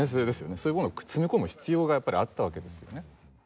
そういうものを詰め込む必要がやっぱりあったわけですよね。